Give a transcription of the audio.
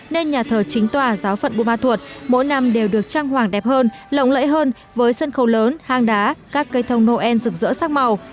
nên nhà thờ chính tòa giáo phận buôn ma thuột mỗi năm đều được trang hoàng đẹp hơn lộng lẫy hơn với sân khấu lớn hang đá các cây thông noel rực rỡ sắc màu